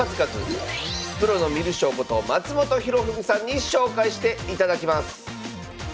プロの観る将こと松本博文さんに紹介していただきます